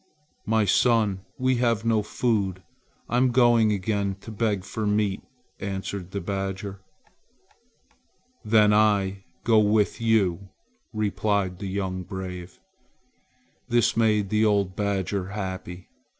"My son, we have no food. I am going again to beg for meat," answered the badger. "Then I go with you," replied the young brave. This made the old badger happy.